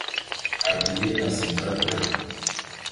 Abili asimba bian.